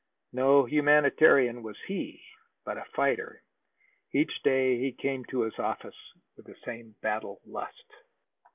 No humanitarian was he, but a fighter: each day he came to his office with the same battle lust.